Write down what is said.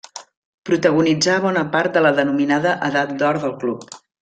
Protagonitzà bona part de la denominada Edat d'Or del club.